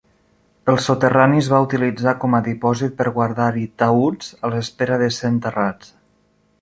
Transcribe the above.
El soterrani es va utilitzar com a dipòsit per guardar-hi taüts a l'espera de ser enterrats.